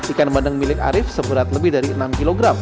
ikan bandeng milik arief seberat lebih dari enam kg